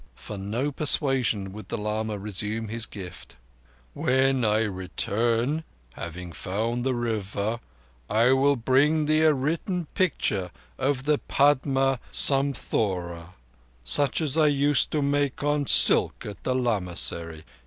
For no persuasion would the lama resume his gift. "When I return, having found the River, I will bring thee a written picture of the Padma Samthora such as I used to make on silk at the lamassery.